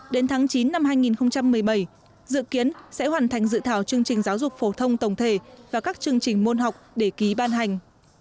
đến tháng chín năm hai nghìn một mươi bảy dự kiến sẽ hoàn thành dự thảo chương trình giáo dục phổ thông tổng thể và các chương trình môn học để ký ban hành